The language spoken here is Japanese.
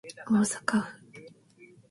大阪府